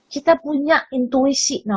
kita punya intuisi